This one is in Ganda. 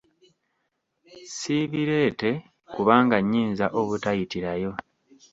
Siibireete kubanga nnyinza obutayitirayo.